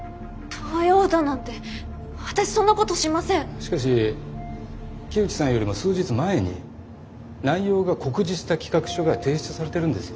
しかし木内さんよりも数日前に内容が酷似した企画書が提出されてるんですよ。